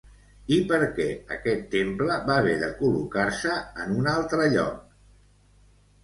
I per què aquest temple va haver de col·locar-se en un altre lloc?